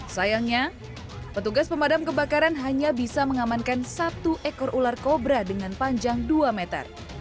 sayangnya petugas pemadam kebakaran hanya bisa mengamankan satu ekor ular kobra dengan panjang dua meter